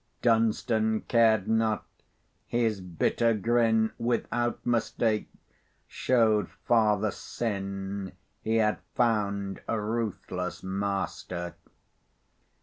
Dunstan cared not; his bitter grin, Without mistake, showed Father Sin He had found a ruthless master.